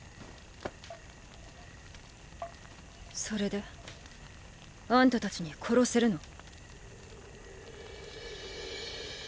それであんたたちに殺せるの？